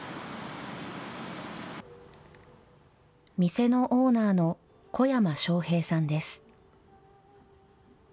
店のオーナーの小山将平さんです。